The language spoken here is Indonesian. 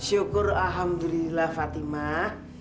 syukur alhamdulillah fatimah